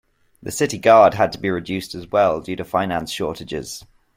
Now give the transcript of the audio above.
The city guard had to be reduced as well due to finance shortages.